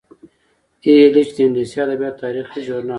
ای ایل ایچ د انګلیسي ادبیاتو د تاریخ ژورنال دی.